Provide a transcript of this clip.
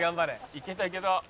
「いけたいけた」